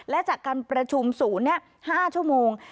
และจากการประชุมศูนย์๕ชั่วโมง